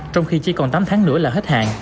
trong khi chỉ còn tám tháng nữa là hết hạn